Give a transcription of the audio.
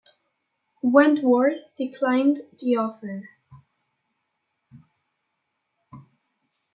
Wentworth declined the offer.